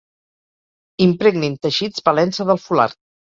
Impregnin teixits valent-se del fulard.